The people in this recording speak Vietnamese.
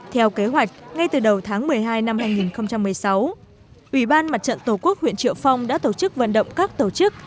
theo kế hoạch ngay từ đầu tháng một mươi hai năm hai nghìn một mươi sáu ủy ban mặt trận tổ quốc huyện triệu phong đã tổ chức vận động các tổ chức